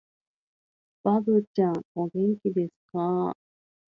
ばぶちゃん、お元気ですかー